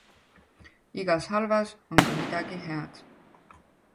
Igas halvas on ka midagi head.